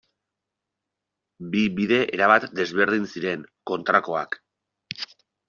Bi bide erabat desberdin ziren, kontrakoak.